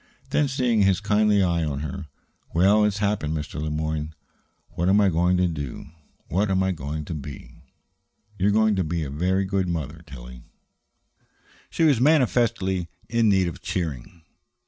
Then, seeing his kindly eye on her: "Well, it's happened, Mr. Le Moyne. What am I going to do? What am I going to be?" "You're going to be a very good mother, Tillie." She was manifestly in need of cheering.